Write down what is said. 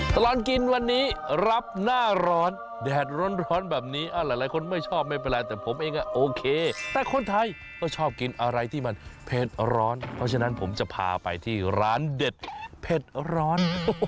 ตลอดกินวันนี้รับหน้าร้อนแดดร้อนแบบนี้หลายคนไม่ชอบไม่เป็นไรแต่ผมเองโอเคแต่คนไทยก็ชอบกินอะไรที่มันเผ็ดร้อนเพราะฉะนั้นผมจะพาไปที่ร้านเด็ดเผ็ดร้อน